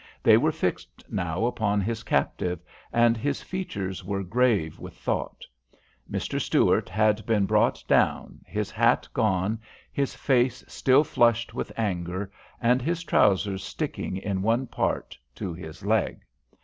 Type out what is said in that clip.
They were fixed now upon his captives, and his features were grave with thought. Mr. Stuart had been brought down, his hat gone, his face still flushed with anger, and his trousers sticking in one part to his leg.